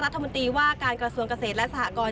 รัฐมนตรีว่าการกระทรวงเกษตรและสหกร